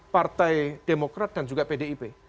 partai demokrat dan juga pdip